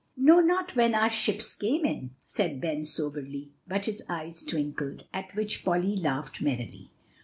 "No, not when our ships came in," said Ben soberly; but his eyes twinkled, at which Polly laughed merrily.